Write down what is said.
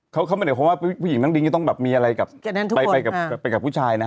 เขาเป็นเหตุความว่าผู้หญิงนั่งดริงจะต้องมีอะไรไปกับผู้ชายนะ